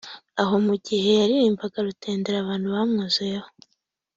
aho mu gihe yaririmbaga Rutenderi abantu bamwuzuyeho